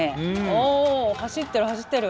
おお走ってる走ってる！